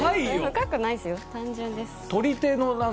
深くないですよ単純です。